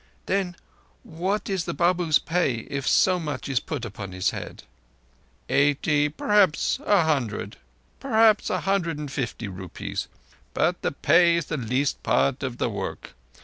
"Then what is the Babu's pay if so much is put upon his head?" "Eighty—perhaps a hundred—perhaps a hundred and fifty rupees; but the pay is the least part of the work.